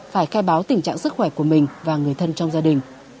phải khai báo tình trạng sức khỏe của mình và người thân trong gia đình